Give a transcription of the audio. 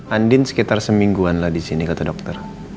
andin sekitar semingguan lah di sini kata dokter